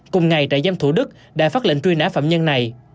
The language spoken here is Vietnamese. cùng ngày trại giam thủ đức đã phát lệnh truy nã phạm nhân này